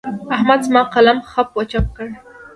احمد زما قلم خپ و چپ کړ.